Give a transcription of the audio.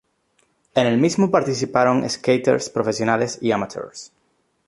En el mismo participaron skaters profesionales y amateurs.